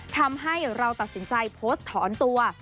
ทำให้เราตัดสินใจโพสต์ถอนตัว